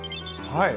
はい。